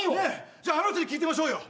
じゃあの人に聞いてみましょうよ